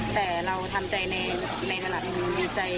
แต่เราทำใจในระดับ